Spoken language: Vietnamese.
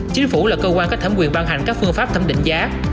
chính phủ là cơ quan có thẩm quyền ban hành các phương pháp thẩm định giá